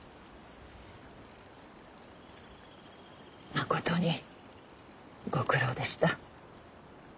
まことにご苦労でした。